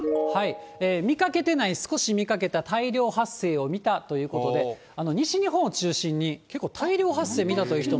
見かけてない、少し見かけた、大量発生を見たということで、西日本を中心に結構、大量発生見たという人も。